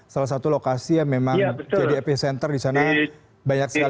salah satu lokasi yang memang jadi episode iya betul